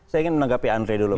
saya ingin menanggapi andre dulu